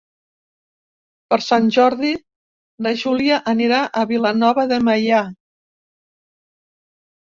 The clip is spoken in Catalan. Per Sant Jordi na Júlia anirà a Vilanova de Meià.